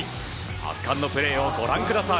圧巻のプレーをご覧ください。